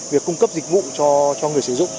việc cung cấp dịch vụ cho người sử dụng